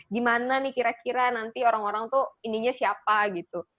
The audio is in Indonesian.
gimana nih kira kira nanti orang orang tuh ininya siapa gitu